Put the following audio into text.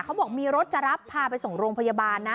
เขาบอกมีรถจะรับพาไปส่งโรงพยาบาลนะ